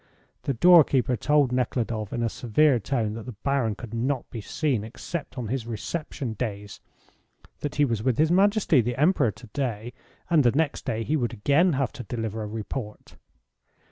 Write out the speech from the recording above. The doorkeeper told Nekhludoff in a severe tone that the Baron could not be seen except on his reception days; that he was with His Majesty the Emperor to day, and the next day he would again have to deliver a report.